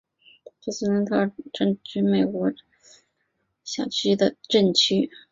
普莱森特里奇镇区为美国堪萨斯州波尼县辖下的镇区。